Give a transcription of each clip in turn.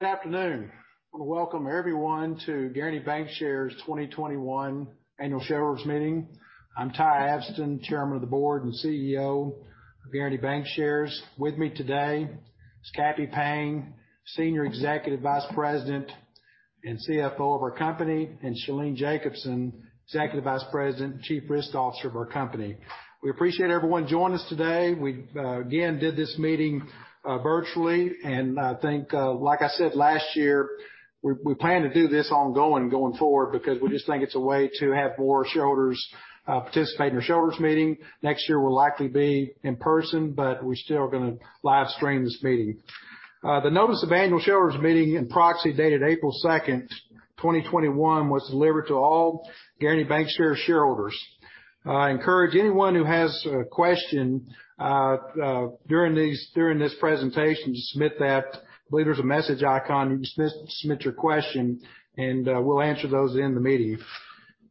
Good afternoon. I want to welcome everyone to Guaranty Bancshares 2021 annual shareholders meeting. I'm Ty Abston, Chairman of the Board and Chief Executive Officer of Guaranty Bancshares. With me today is Cappy Payne, Senior Executive Vice President and Chief Financial Officer of our company, and Shalene Jacobson, Executive Vice President and Chief Risk Officer of our company. We appreciate everyone joining us today. We again did this meeting virtually, and I think, like I said last year, we plan to do this ongoing going forward because we just think it's a way to have more shareholders participate in our shareholders meeting. Next year, we'll likely be in person, but we're still going to live stream this meeting. The notice of annual shareholders meeting and proxy dated April 2nd, 2021, was delivered to all Guaranty Bancshares shareholders. I encourage anyone who has a question during this presentation to submit that. I believe there's a message icon. You can submit your question, and we'll answer those during the meeting.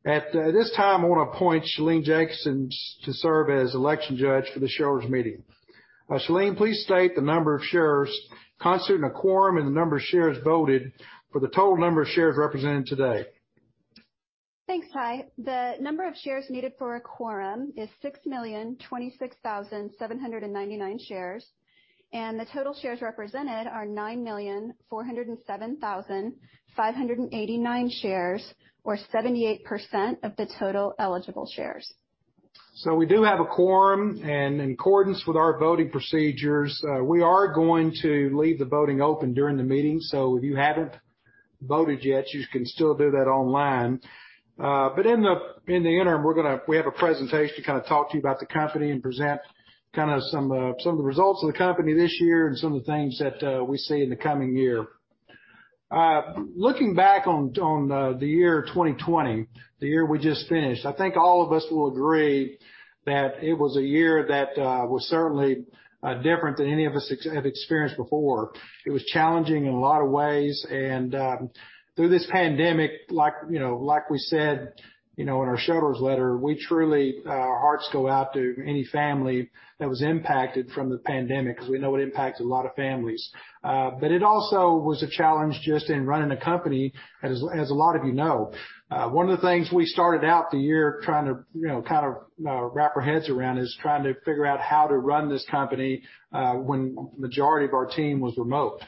At this time, I want to appoint Shalene Jacobson to serve as election judge for the shareholders meeting. Shalene, please state the number of shares constituting a quorum and the number of shares voted for the total number of shares represented today. Thanks, Ty. The number of shares needed for a quorum is 6,026,799 shares, and the total shares represented are 9,407,589 shares or 78% of the total eligible shares. We do have a quorum. In accordance with our voting procedures, we are going to leave the voting open during the meeting. If you haven't voted yet, you can still do that online. In the interim, we have a presentation to talk to you about the company and present some of the results of the company this year and some of the things that we see in the coming year. Looking back on the year 2020, the year we just finished, I think all of us will agree that it was a year that was certainly different than any of us have experienced before. It was challenging in a lot of ways. Through this pandemic, like we said in our shareholders letter, our hearts go out to any family that was impacted from the pandemic because we know it impacted a lot of families. It also was a challenge just in running a company, as a lot of you know. One of the things we started out the year trying to kind of wrap our heads around is trying to figure out how to run this company when the majority of our team was remote,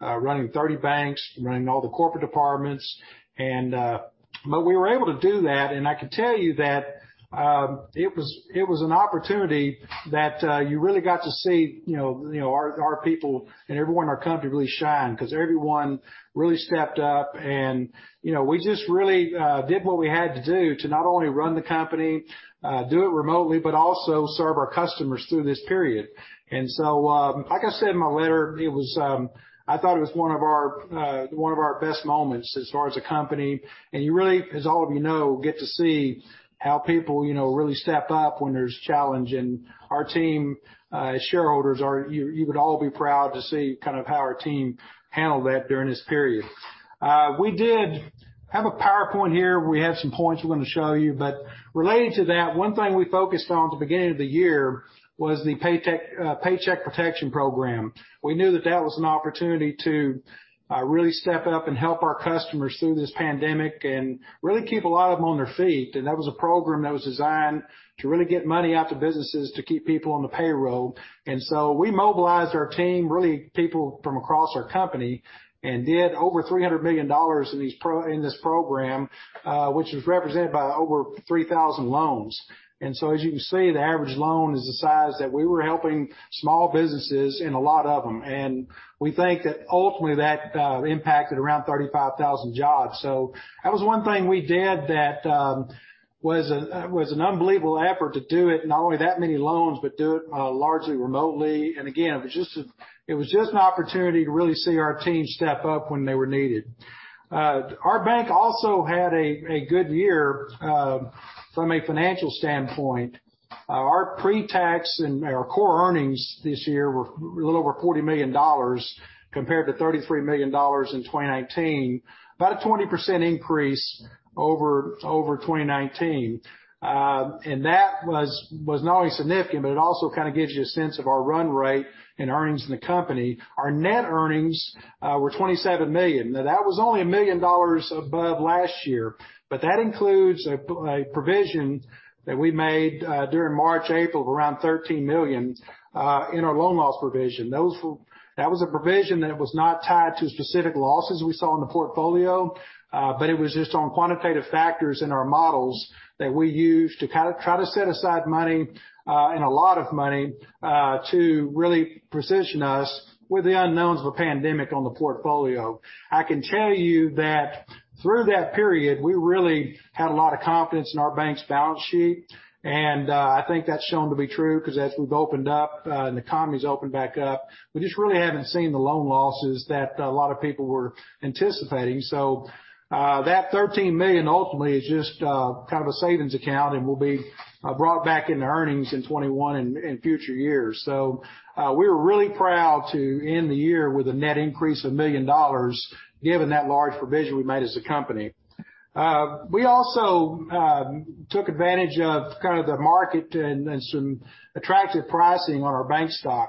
running 30 banks, running all the corporate departments. We were able to do that, and I can tell you that it was an opportunity that you really got to see our people and everyone in our company really shine because everyone really stepped up, and we just really did what we had to do to not only run the company, do it remotely, but also serve our customers through this period. Like I said in my letter, I thought it was one of our best moments as far as a company. You really, as all of you know, get to see how people really step up when there's a challenge. Our team, shareholders, you would all be proud to see kind of how our team handled that during this period. We did have a PowerPoint here. We have some points we want to show you. Related to that, one thing we focused on at the beginning of the year was the Paycheck Protection Program. We knew that that was an opportunity to really step up and help our customers through this pandemic and really keep a lot of them on their feet. That was a program that was designed to really get money out to businesses to keep people on the payroll. We mobilized our team, really people from across our company, and did over $300 million in this program, which was represented by over 3,000 loans. As you can see, the average loan is the size that we were helping small businesses and a lot of them. We think that ultimately that impacted around 35,000 jobs. That was one thing we did that was an unbelievable effort to do it, not only that many loans, but do it largely remotely. Again, it was just an opportunity to really see our team step up when they were needed. Our bank also had a good year from a financial standpoint. Our pre-tax and our core earnings this year were a little over $40 million, compared to $33 million in 2019. About a 20% increase over 2019. That was not only significant, but also kind of gives you a sense of our run rate in earnings in the company. Our net earnings were $27 million. Now, that was only $1 million above last year, but that includes a provision that we made during March, April of around $13 million in our loan loss provision. That was a provision that was not tied to specific losses we saw in the portfolio, but it was just on quantitative factors in our models that we use to kind of try to set aside money and a lot of money to really position us with the unknowns of a pandemic on the portfolio. I can tell you that through that period, we really had a lot of confidence in our bank's balance sheet, and I think that's shown to be true because as we've opened up and the economy's opened back up, we just really haven't seen the loan losses that a lot of people were anticipating. That $13 million ultimately is just kind of a savings account and will be brought back into earnings in 2021 and in future years. We were really proud to end the year with a net increase of $1 million given that large provision we made as a company. We also took advantage of the market and some attractive pricing on our bank stock.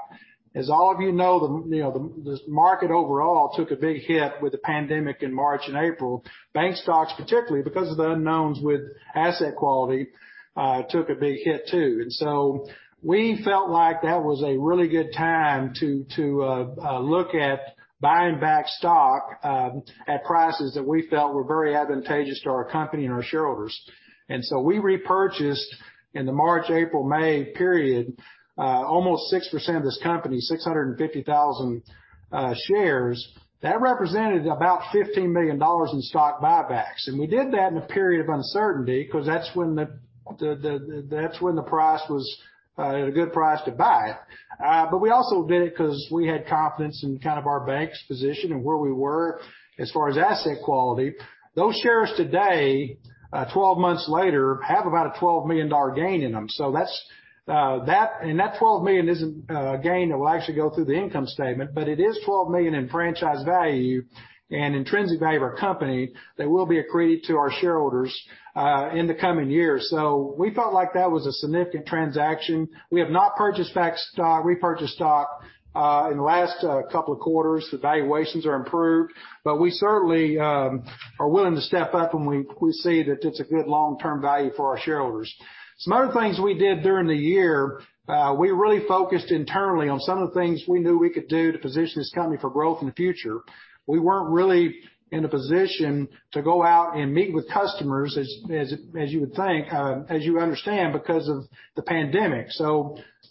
As all of you know, the market overall took a big hit with the pandemic in March and April. Bank stocks, particularly because of the unknowns with asset quality, took a big hit too. We felt like that was a really good time to look at buying back stock at prices that we felt were very advantageous to our company and our shareholders. We repurchased in the March, April, May period, almost 6% of this company, 650,000 shares. That represented about $15 million in stock buybacks. We did that in a period of uncertainty because that's when the price was a good price to buy. We also did it because we had confidence in our bank's position and where we were as far as asset quality. Those shares today, 12 months later, have about a $12 million gain in them. That $12 million isn't gain that will actually go through the income statement, but it is $12 million in franchise value and intrinsic value of our company that will be accreted to our shareholders in the coming years. We felt like that was a significant transaction. We have not repurchased stock in the last couple of quarters. The valuations are improved, but we certainly are willing to step up when we see that it's a good long-term value for our shareholders. Some other things we did during the year, we really focused internally on some of the things we knew we could do to position this company for growth in the future. We weren't really in a position to go out and meet with customers as you would think, as you understand, because of the pandemic.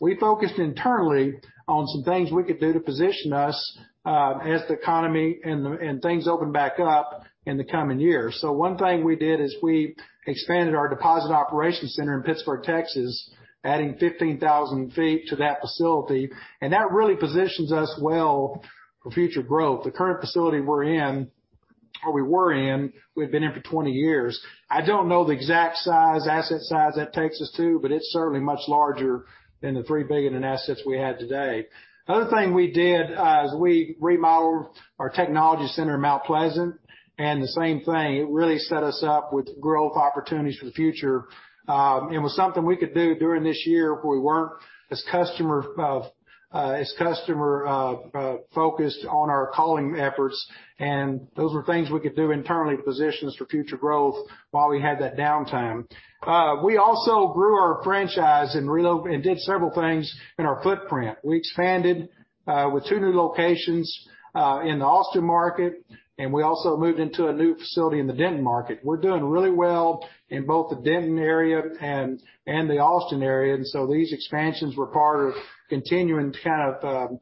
We focused internally on some things we could do to position us as the economy and things open back up in the coming years. One thing we did is we expanded our deposit operations center in Pittsburg, Texas, adding 15,000 feet to that facility. That really positions us well for future growth. The current facility we're in, or we were in, we've been here for 20 years. I don't know the exact asset size that takes us to, but it's certainly much larger than the $3 billion in assets we had today. Another thing we did is we remodeled our technology center in Mount Pleasant. The same thing, it really set us up with growth opportunities for the future. It was something we could do during this year if we weren't as customer-focused on our calling efforts, and those were things we could do internally to position us for future growth while we had that downtime. We also grew our franchise and did several things in our footprint. We expanded with two new locations in the Austin market, and we also moved into a new facility in the Denton market. We're doing really well in both the Denton area and the Austin area, and so these expansions were part of continuing to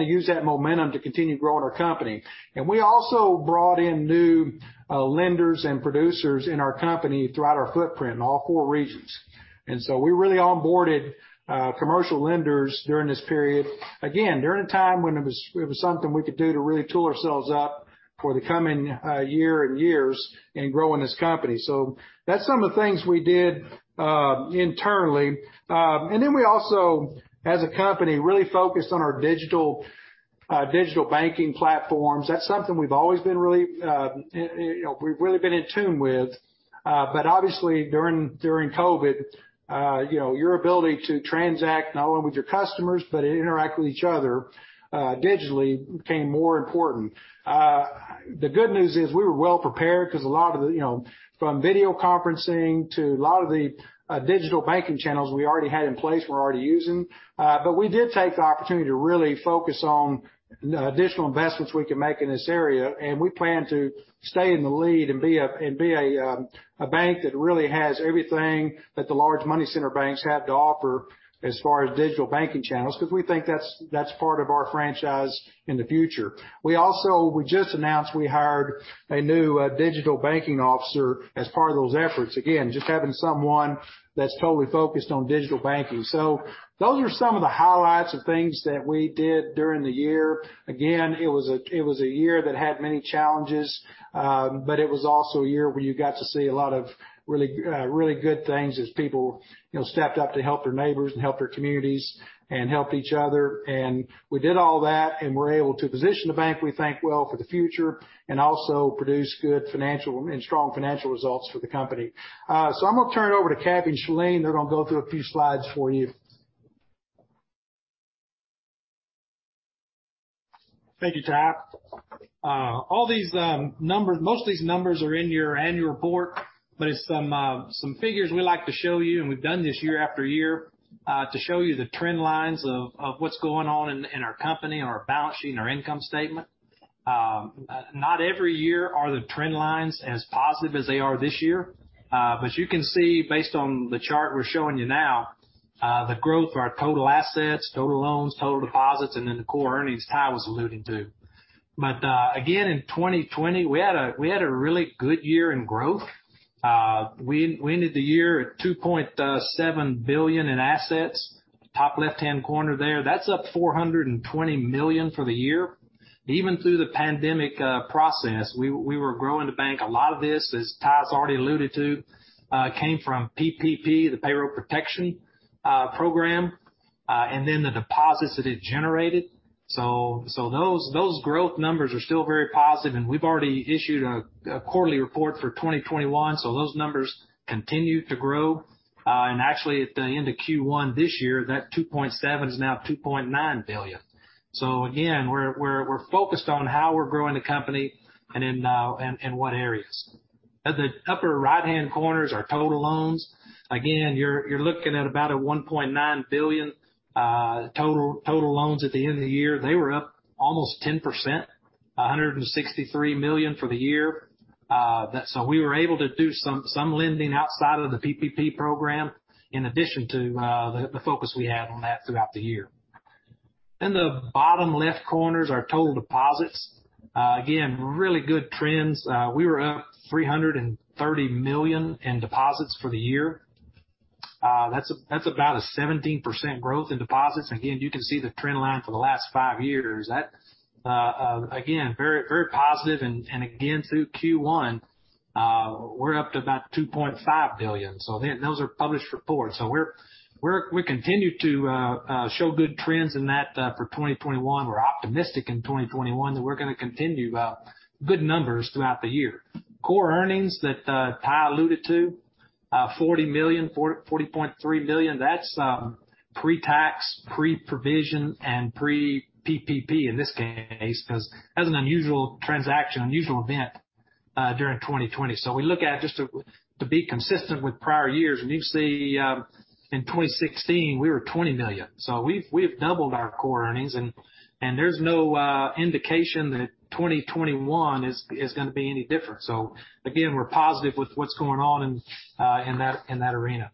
use that momentum to continue growing our company. We also brought in new lenders and producers in our company throughout our footprint in all four regions. We really onboarded commercial lenders during this period. Again, during a time when it was something we could do to really tool ourselves up for the coming year and years and grow in this company. That's some of the things we did internally. We also, as a company, really focused on our digital banking platforms. That's something we've really been in tune with. Obviously during COVID, your ability to transact not only with your customers, but interact with each other digitally became more important. The good news is we were well prepared because from video conferencing to a lot of the digital banking channels we already had in place, we were already using. We did take the opportunity to really focus on additional investments we can make in this area, and we plan to stay in the lead and be a bank that really has everything that the large money center banks have to offer as far as digital banking channels, because we think that's part of our franchise in the future. We just announced we hired a new digital banking officer as part of those efforts. Just having someone that's totally focused on digital banking. Those are some of the highlights of things that we did during the year. It was a year that had many challenges, but it was also a year where you got to see a lot of really good things as people stepped up to help their neighbors and help their communities and help each other. We did all that, and we're able to position the bank, we think well for the future and also produce good financial and strong financial results for the company. I'm going to turn it over to Cappy Payne, and I'll go through a few slides for you. Thank you, Ty. Most of these numbers are in your annual report, some figures we like to show you, and we've done this year after year, to show you the trend lines of what's going on in our company, in our balance sheet, and our income statement. Not every year are the trend lines as positive as they are this year. You can see based on the chart we're showing you now, the growth of our total assets, total loans, total deposits, and then the core earnings Ty was alluding to. Again, in 2020, we had a really good year in growth. We ended the year at $2.7 billion in assets. Top left-hand corner there. That's up $420 million for the year. Even through the pandemic process, we were growing the bank. A lot of this, as Ty's already alluded to, came from PPP, the Paycheck Protection Program. The deposits that it generated. Those growth numbers are still very positive, and we've already issued a quarterly report for 2021. Those numbers continued to grow. Actually, at the end of Q1 this year, that 2.7 is now $2.9 billion. Again, we're focused on how we're growing the company and in what areas. At the upper right-hand corner is our total loans. Again, you're looking at about a $1.9 billion total loans at the end of the year. They were up almost 10%, $163 million for the year. We were able to do some lending outside of the PPP program, in addition to the focus we had on that throughout the year. In the bottom left corner is our total deposits. Again, really good trends. We were up $330 million in deposits for the year. That's about a 17% growth in deposits. You can see the trend line for the last five years. Very positive. Through Q1, we're up to about $2.5 billion. Those are published reports. We continue to show good trends in that for 2021. We're optimistic in 2021 that we're going to continue good numbers throughout the year. Core earnings that Ty alluded to, $40 million, $40.3 million. That's pre-tax, pre-provision, and pre-PPP in this case, because that's an unusual transaction, unusual event during 2020. We look at just to be consistent with prior years. You see in 2016, we were $20 million. We've doubled our core earnings, and there's no indication that 2021 is going to be any different. We're positive with what's going on in that arena.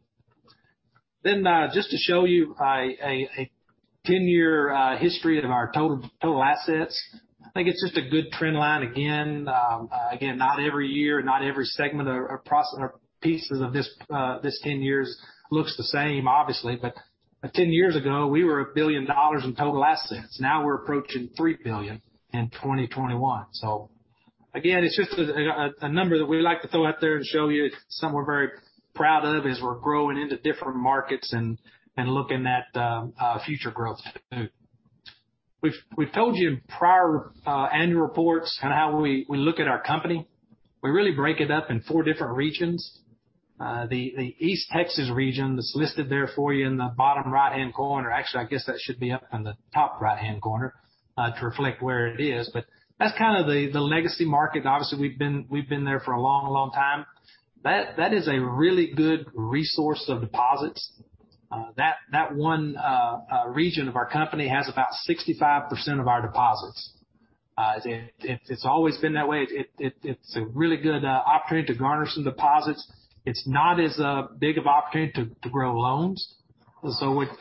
Just to show you a 10-year history of our total assets. I think it's just a good trend line again. Not every year, not every segment or pieces of this 10 years looks the same, obviously. 10 years ago, we were $1 billion in total assets. Now we're approaching $3 billion in 2021. It's just a number that we like to throw out there and show you something we're very proud of as we're growing into different markets and looking at future growth too. We've told you in prior annual reports on how we look at our company. We really break it up in four different regions. The East Texas region that's listed there for you in the bottom right-hand corner. Actually, I guess that should be up in the top right-hand corner to reflect where it is. That's kind of the legacy market. Obviously, we've been there for a long time. That is a really good resource of deposits. That one region of our company has about 65% of our deposits. It's always been that way. It's a really good opportunity to garner some deposits. It's not as big of an opportunity to grow loans.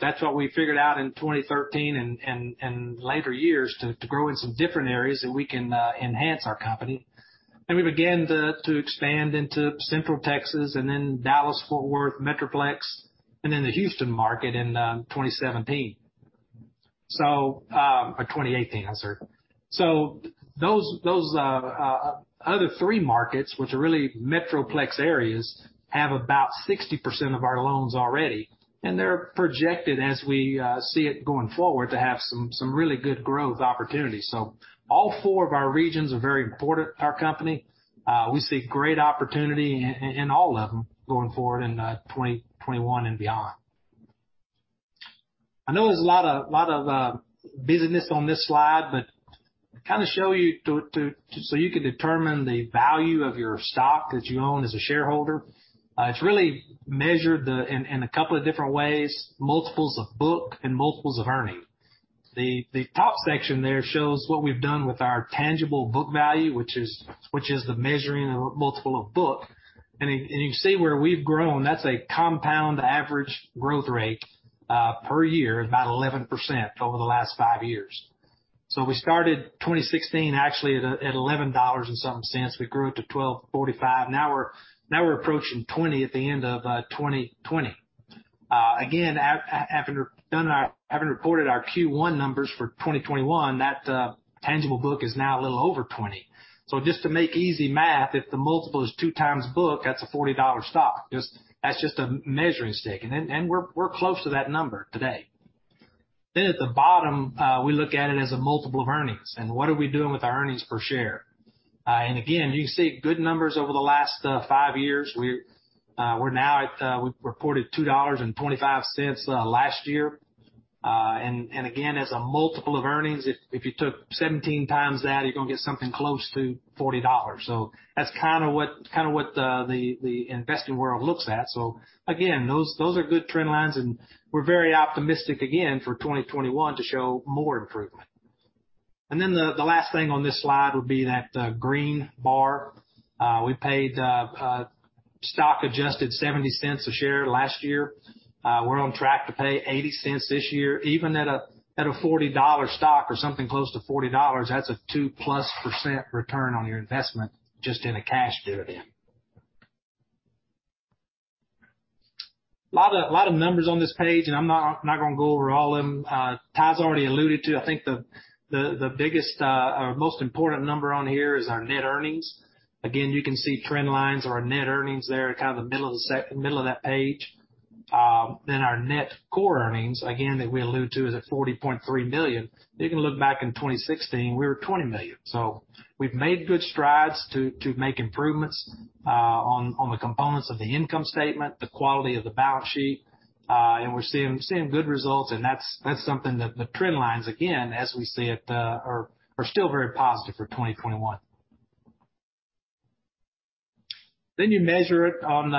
That's what we figured out in 2013 and later years to grow in some different areas that we can enhance our company. We began to expand into Central Texas and then Dallas-Fort Worth metroplex, and then the Houston market in 2017, or 2018, I'm sorry. Those other three markets, which are really metroplex areas, have about 60% of our loans already. They're projected, as we see it going forward, to have some really good growth opportunities. All four of our regions are very important to our company. We see great opportunity in all of them going forward in 2021 and beyond. I know there's a lot of busyness on this slide, to kind of show you so you can determine the value of your stock that you own as a shareholder. It's really measured in a couple of different ways, multiples of book and multiples of earnings. The top section there shows what we've done with our tangible book value, which is the measuring multiple of book. You see where we've grown. That's a compound average growth rate per year of about 11% over the last five years. We started 2016 actually at $11 and some cents. We grew it to $12.45. Now we're approaching $20 at the end of 2020. Again, having reported our Q1 numbers for 2021, that tangible book is now a little over $20. Just to make easy math, if the multiple is 2x book, that's a $40 stock. That's just a measuring stick. We're close to that number today. At the bottom, we look at it as a multiple of earnings. What are we doing with our earnings per share? Again, you see good numbers over the last five years. We reported $2.25 last year. Again, as a multiple of earnings, if you took 17x that, you're going to get something close to $40. That's kind of what the investing world looks at. Again, those are good trend lines, and we're very optimistic again for 2021 to show more improvement. The last thing on this slide would be that green bar. We paid stock adjusted $0.70 a share last year. We're on track to pay $0.80 this year. Even at a $40 stock or something close to $40, that's a two plus % return on your investment just in a cash dividend. A lot of numbers on this page. I'm not going to go over all of them. Ty's already alluded to, I think the biggest or most important number on here is our net earnings. Again, you can see trend lines. Our net earnings there are kind of middle of that page. Our net core earnings, again, that we allude to is at $40.3 million. You can look back in 2016, we were at $20 million. We've made good strides to make improvements on the components of the income statement, the quality of the balance sheet, and we're seeing good results and that's something that the trend lines, again, as we see it, are still very positive for 2021. You measure it on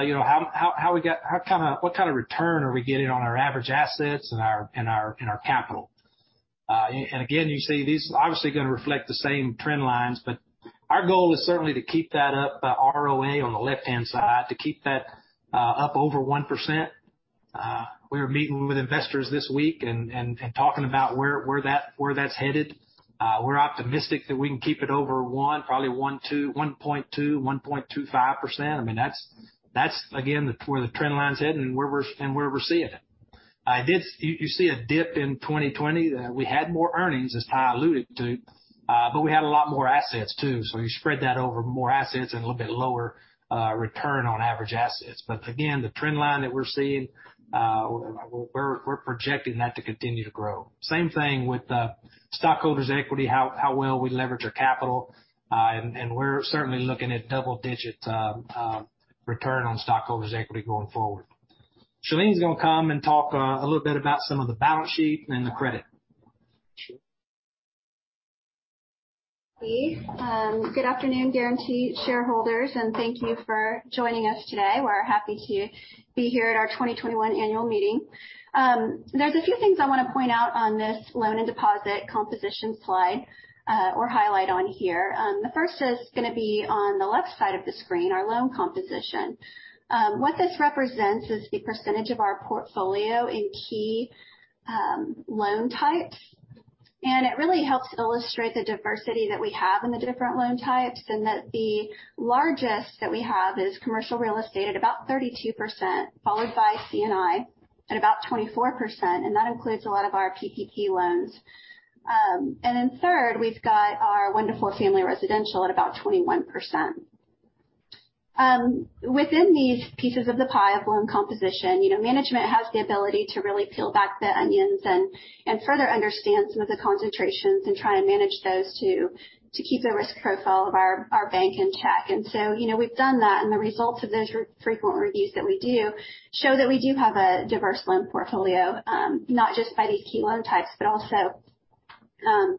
what kind of return are we getting on our average assets and our capital. Again, you see this is obviously going to reflect the same trend lines, but our goal is certainly to keep that up, the ROA on the left-hand side, to keep that up over 1%. We were meeting with investors this week and talking about where that's headed. We're optimistic that we can keep it over 1%, probably 1.2%, 1.25%. That's again, where the trend line's heading and where we're seeing it. You see a dip in 2020. We had more earnings, as I alluded to, but we had a lot more assets too. You spread that over more assets, a little bit lower return on average assets. Again, the trend line that we're seeing, we're projecting that to continue to grow. Same thing with stockholders' equity, how well we leverage our capital, and we're certainly looking at double-digit return on stockholders' equity going forward. Shalene's going to come and talk a little bit about some of the balance sheet and the credit. Good afternoon, Guaranty shareholders, and thank you for joining us today. We're happy to be here at our 2021 annual meeting. There's a few things I want to point out on this loan and deposit composition slide or highlight on here. The first is going to be on the left side of the screen, our loan composition. What this represents is the percentage of our portfolio in key loan types, and it really helps illustrate the diversity that we have in the different loan types and that the largest that we have is commercial real estate, about 32%, followed by C&I at about 24%, and that includes a lot of our PPP loans. In third, we've got our one-to-four family residential at about 21%. Within these pieces of the pie or loan composition, management has the ability to really peel back the onions and further understand some of the concentrations and try and manage those to keep the risk profile of our bank in check. We've done that, and the results of those frequent reviews that we do show that we do have a diverse loan portfolio, not just by these key loan types, but also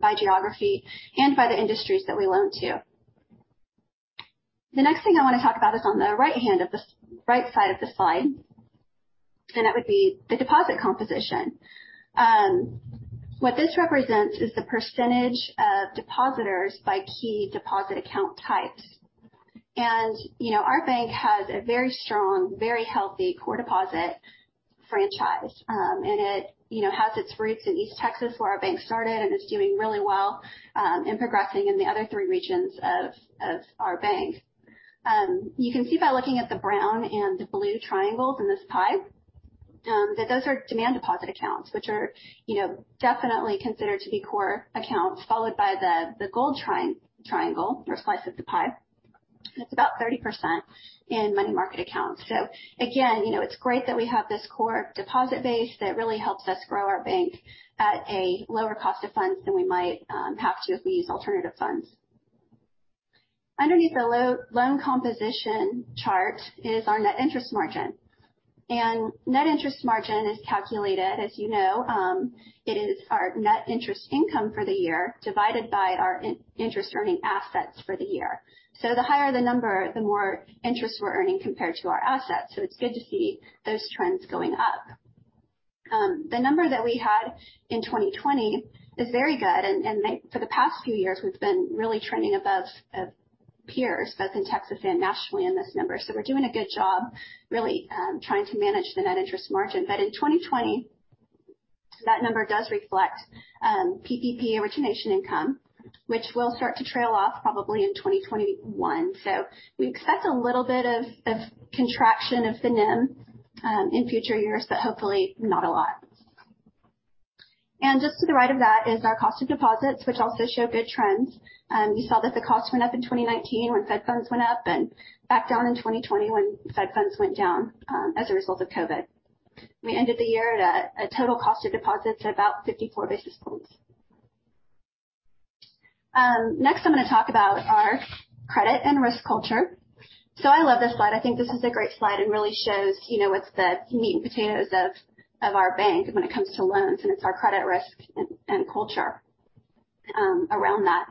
by geography and by the industries that we loan to. The next thing I want to talk about is on the right side of the slide, and that would be the deposit composition. What this represents is the percentage of depositors by key deposit account types. Our bank has a very strong, very healthy core deposit franchise. It has its roots in East Texas where our bank started, and it's doing really well and progressing in the other three regions of our bank. You can see by looking at the brown and the blue triangles in this pie, that those are demand deposit accounts, which are definitely considered to be core accounts, followed by the gold triangle or slice of the pie. It's about 30% in money market accounts. Again, it's great that we have this core deposit base that really helps us grow our bank at a lower cost of funds than we might have to if we use alternative funds. Underneath the loan composition chart is on the interest margin. Net interest margin is calculated as you know. It is our net interest income for the year divided by our interest earning assets for the year. The higher the number, the more interest we're earning compared to our assets. It's good to see those trends going up. The number that we had in 2020 is very good, and for the past few years, we've been really trending above peers, both in Texas and nationally in this number. We're doing a good job really trying to manage the net interest margin. In 2020, that number does reflect PPP origination income, which will start to trail off probably in 2021. We expect a little bit of contraction if any, in future years, but hopefully not a lot. Just to the right of that is our cost of deposits, which also show good trends. You saw that the cost went up in 2019 when Fed funds went up and back down in 2020 when Fed funds went down as a result of COVID-19. We ended the year at a total cost of deposits at about 54 basis points. I'm going to talk about our credit and risk culture. I love this slide. I think this is a great slide. It really shows what the meat and potatoes of our bank when it comes to loans and it's our credit risk and culture around that.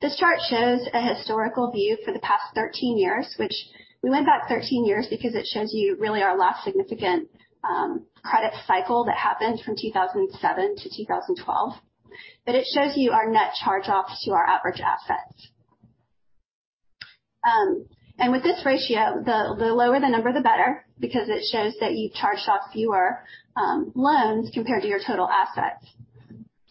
This chart shows a historical view for the past 13 years, which we went about 13 years because it shows you really our last significant credit cycle that happened from 2007 to 2012. It shows you our net charge-offs to our average assets. With this ratio, the lower the number, the better, because it shows that you charge off fewer loans compared to your total assets.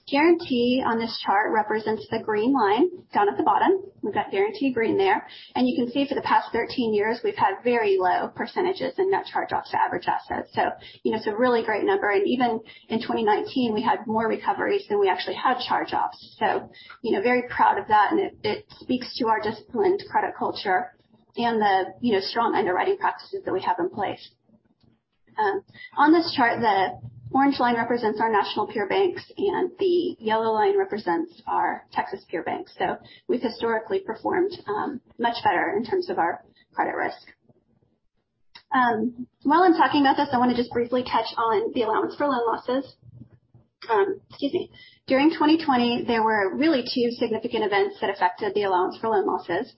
Guaranty on this chart represents the green line down at the bottom. We've got Guaranty green there. You can see for the past 13 years, we've had very low % of net charge-offs to average assets. It's a really great number. Even in 2019, we had more recoveries than we actually had charge-offs. Very proud of that, and it speaks to our disciplined credit culture and the strong underwriting practices that we have in place. On this chart, the orange line represents our national peer banks, and the yellow line represents our Texas peer banks. We've historically performed much better in terms of our credit risk. While I'm talking about this, I want to just briefly touch on the allowance for loan losses. Excuse me. During 2020, there were really two significant events that affected the allowance for loan losses.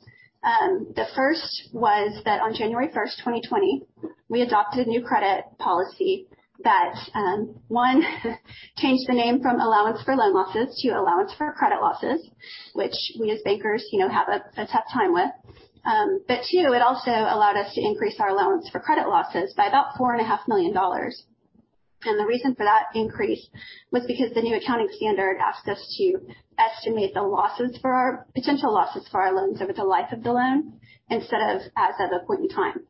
The first was that on January 1st, 2020, we adopted a new credit policy that one, changed the name from allowance for loan losses to allowance for credit losses, which we as bankers have a tough time with. Two, it also allowed us to increase our allowance for credit losses by about $4.5 million. The reason for that increase was because the new accounting standard asks us to estimate the potential losses for our loans over the life of the loan instead of at that point in time,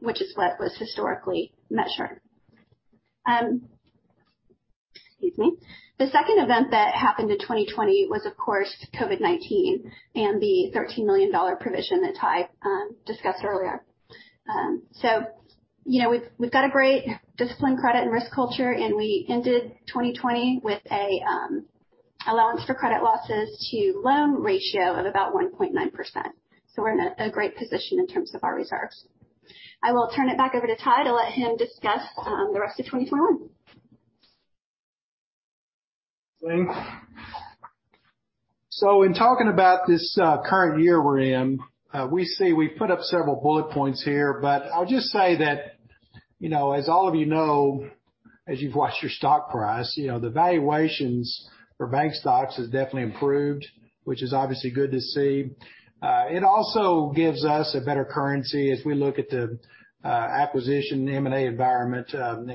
which is what was historically measured. Excuse me. The second event that happened in 2020 was, of course, COVID-19 and the $13 million provision that Ty discussed earlier. Yeah, we've got a great disciplined credit and risk culture, and we ended 2020 with an allowance for credit losses to loan ratio of about 1.9%. We're in a great position in terms of our reserves. I will turn it back over to Ty to let him discuss the rest of 2021. Thanks. In talking about this current year we're in, we put up several bullet points here, but I'll just say that as all of you know, as you've watched your stock price, the valuations for bank stocks have definitely improved, which is obviously good to see. It also gives us a better currency as we look at the acquisition and M&A environment.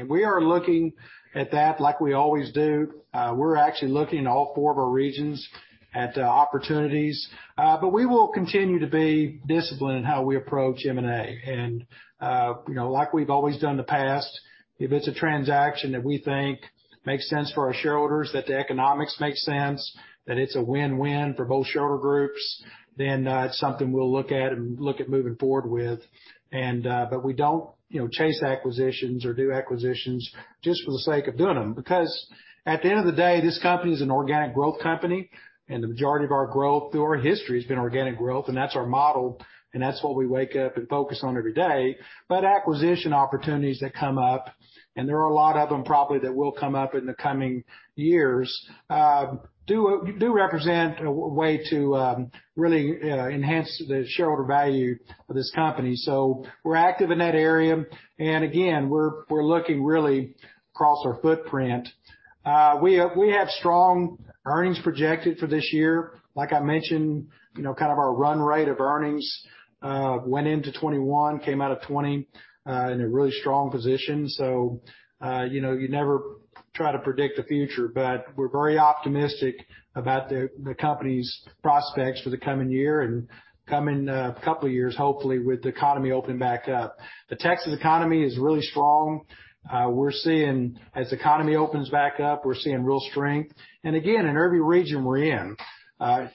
We are looking at that like we always do. We're actually looking at all four of our regions at the opportunities. We will continue to be disciplined in how we approach M&A. Like we've always done in the past, if it's a transaction that we think makes sense for our shareholders, that the economics make sense, that it's a win-win for both shareholder groups, then that's something we'll look at and look at moving forward with. We don't chase acquisitions or do acquisitions just for the sake of doing them. Because at the end of the day, this company is an organic growth company, and the majority of our growth through our history has been organic growth, and that's our model, and that's what we wake up and focus on every day. Acquisition opportunities that come up, and there are a lot of them probably that will come up in the coming years, do represent a way to really enhance the shareholder value of this company. We're active in that area. Again, we're looking really across our footprint. We have strong earnings projected for this year. Like I mentioned, kind of our run rate of earnings went into 2021, came out of 2020 in a really strong position. You never try to predict the future, but we're very optimistic about the company's prospects for the coming year and coming couple of years, hopefully, with the economy opening back up. The Texas economy is really strong. As the economy opens back up, we're seeing real strength. Again, in every region we're in.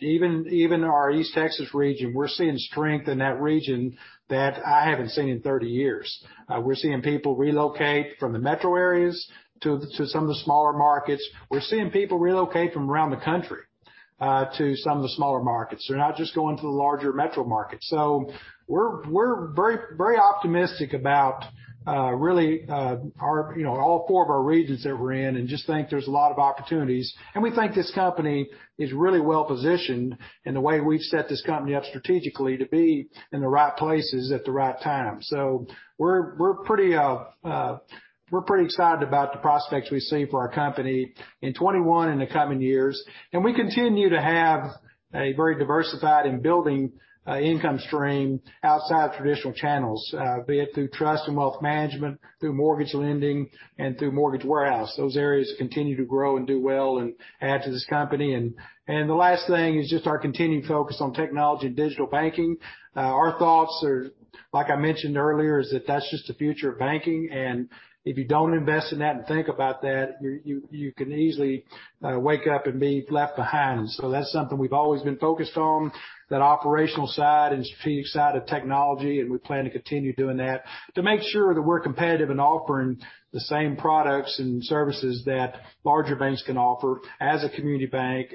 Even our East Texas region, we're seeing strength in that region that I haven't seen in 30 years. We're seeing people relocate from the metro areas to some of the smaller markets. We're seeing people relocate from around the country to some of the smaller markets. They're not just going to the larger metro markets. We're very optimistic about really all four of our regions that we're in and just think there's a lot of opportunities. We think this company is really well-positioned in the way we've set this company up strategically to be in the right places at the right time. We're pretty excited about the prospects we see for our company in 2021 and the coming years. We continue to have a very diversified and building income stream outside traditional channels, be it through trust and wealth management, through mortgage lending, and through mortgage warehouse. Those areas continue to grow and do well and add to this company. The last thing is just our continued focus on technology and digital banking. Our thoughts are, like I mentioned earlier, is that that's just the future of banking. If you don't invest in that and think about that, you can easily wake up and be left behind. That's something we've always been focused on, that operational side and strategic side of technology, and we plan to continue doing that to make sure that we're competitive in offering the same products and services that larger banks can offer as a community bank.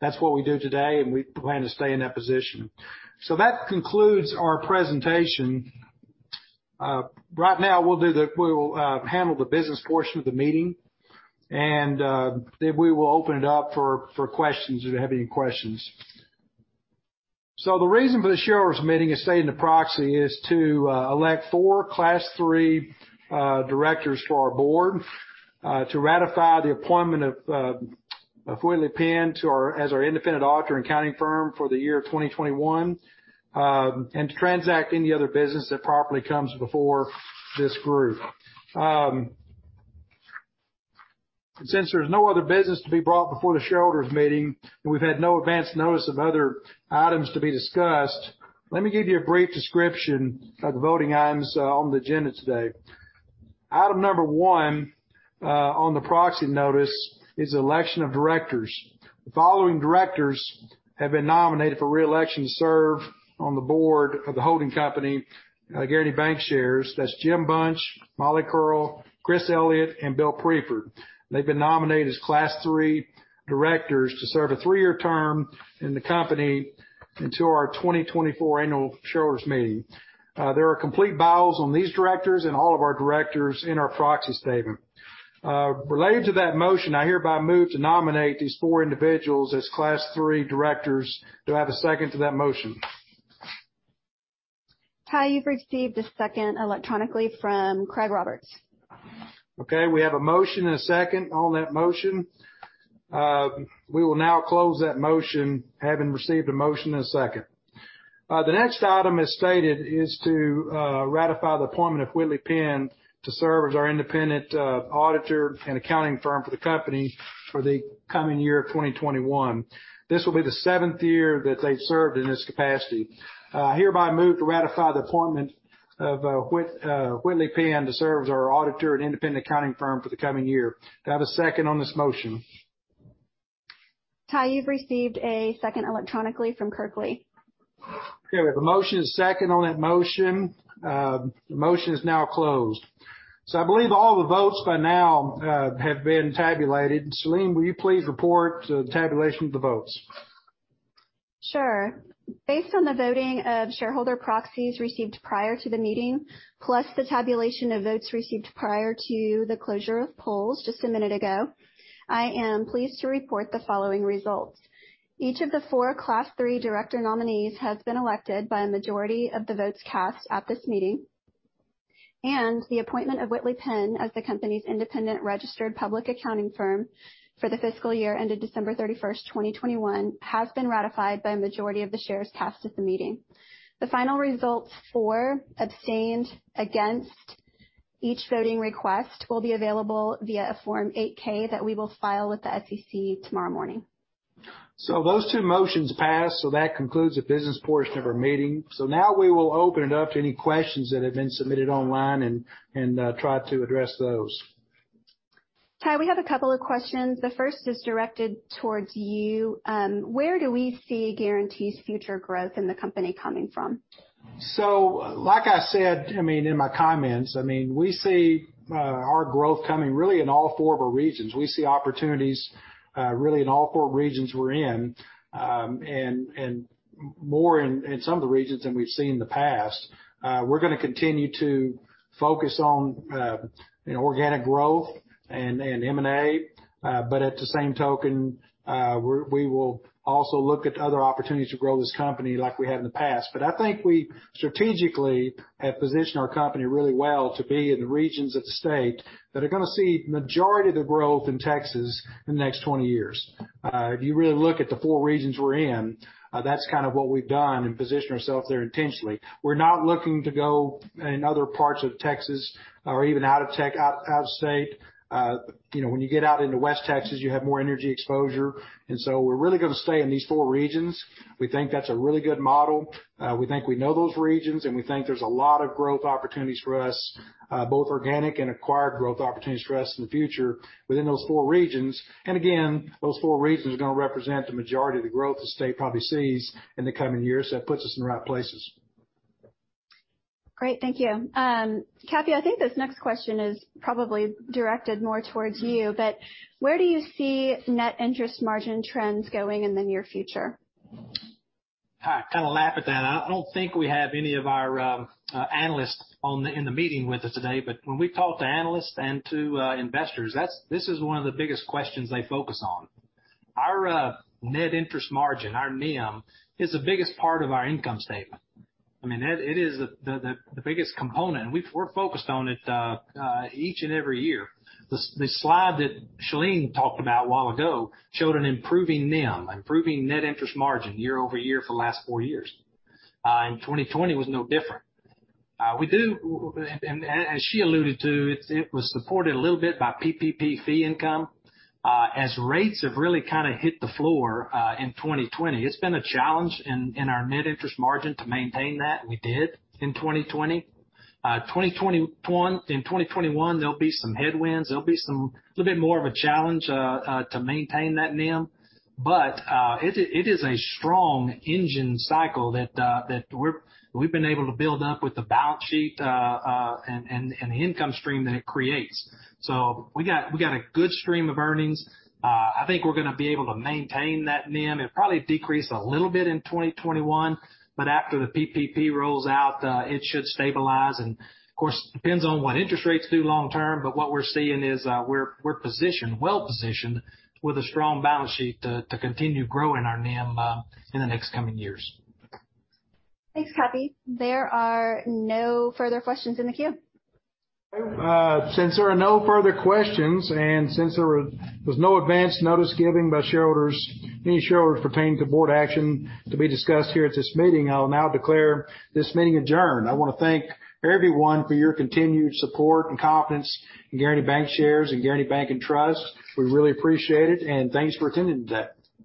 That's what we do today, and we plan to stay in that position. That concludes our presentation. Right now, we'll handle the business portion of the meeting, and then we will open it up for questions if you have any questions. The reason for the shareholders meeting as stated in the proxy is to elect four Class 3 directors to our board, to ratify the appointment of Whitley Penn as our independent auditor and accounting firm for the year 2021, and to transact any other business that properly comes before this group. Since there's no other business to be brought before the shareholders meeting, and we've had no advance notice of other items to be discussed, let me give you a brief description of the voting items on the agenda today. Item number one on the proxy notice is election of directors. The following directors have been nominated for re-election to serve on the board of the holding company, Guaranty Bancshares. That's James Bunch, Molly Curl, Chris Elliott, and Bill Priefert. They've been nominated as Class 3 directors to serve a three-year term in the company until our 2024 annual shareholders' meeting. There are complete bios on these directors and all of our directors in our proxy statement. Related to that motion, I hereby move to nominate these four individuals as Class 3 directors. Do I have a second to that motion? Ty, you've received a second electronically from Craig Roberts. Okay, we have a motion and a second on that motion. We will now close that motion, having received a motion and a second. The next item as stated is to ratify the appointment of Whitley Penn to serve as our independent auditor and accounting firm for the company for the coming year 2021. This will be the seventh year that they've served in this capacity. I hereby move to ratify the appointment of Whitley Penn to serve as our auditor and independent accounting firm for the coming year. Do I have a second on this motion? Ty, you've received a second electronically from Kirkley. Okay. We have a motion and a second on that motion. The motion is now closed. I believe all the votes by now have been tabulated. Shalene, will you please report the tabulation of the votes? Sure. Based on the voting of shareholder proxies received prior to the meeting, plus the tabulation of votes received prior to the closure of polls just a minute ago, I am pleased to report the following results. Each of the four Class 3 director nominees has been elected by a majority of the votes cast at this meeting, and the appointment of Whitley Penn as the company's independent registered public accounting firm for the fiscal year ended December 31st, 2021, has been ratified by a majority of the shares cast at the meeting. The final results for, abstained, against each voting request will be available via Form 8-K that we will file with the SEC tomorrow morning. Those two motions pass, so that concludes the business portion of our meeting. Now we will open it up to any questions that have been submitted online and try to address those. Ty, we have a couple of questions. The first is directed towards you. Where do we see Guaranty's future growth in the company coming from? Like I said to me in my comments, we see our growth coming really in all four of our regions. We see opportunities really in all four regions we're in, and more in some of the regions than we've seen in the past. We're going to continue to focus on organic growth and M&A. At the same token, we will also look at other opportunities to grow this company like we have in the past. I think we strategically have positioned our company really well to be in the regions of the state that are going to see majority of the growth in Texas in the next 20 years. If you really look at the four regions we're in, that's kind of what we've done and positioned ourselves there intentionally. We're not looking to go in other parts of Texas or even out of state. When you get out into West Texas, you have more energy exposure, and so we're really going to stay in these four regions. We think that's a really good model. We think we know those regions, and we think there's a lot of growth opportunities for us, both organic and acquired growth opportunities for us in the future within those four regions. Again, those four regions are going to represent the majority of the growth the state probably sees in the coming years. It puts us in the right places. Great. Thank you. Cappy, I think this next question is probably directed more towards you, where do you see net interest margin trends going in the near future? I kind of laugh at that. I don't think we have any of our analysts in the meeting with us today. When we talk to analysts and to investors, this is one of the biggest questions they focus on. Our net interest margin, our NIM, is the biggest part of our income statement. It is the biggest component, and we're focused on it each and every year. The slide that Shalene talked about a while ago showed an improving NIM, improving net interest margin year-over-year for the last four years. In 2020 was no different. As she alluded to, it was supported a little bit by PPP fee income. As rates have really kind of hit the floor in 2020, it's been a challenge in our net interest margin to maintain that. We did in 2020. In 2021, there'll be some headwinds. There'll be a little bit more of a challenge to maintain that NIM. It is a strong engine cycle that we've been able to build up with the balance sheet and the income stream that it creates. We got a good stream of earnings. I think we're going to be able to maintain that NIM. It probably decreased a little bit in 2021, but after the PPP rolls out, it should stabilize. Of course, it depends on what interest rates do long term. What we're seeing is we're well positioned with a strong balance sheet to continue growing our NIM in the next coming years. Thanks, Cappy. There are no further questions in the queue. Since there are no further questions and since there was no advance notice given by shareholders pertaining to board action to be discussed here at this meeting, I will now declare this meeting adjourned. I want to thank everyone for your continued support and confidence in Guaranty Bancshares and Guaranty Bank & Trust. We really appreciate it, and thanks for attending today.